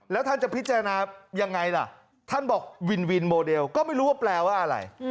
แล้วท่านจะพิจารณายังไงล่ะท่านบอกวินวินโมเดลก็ไม่รู้ว่าแปลว่าอะไร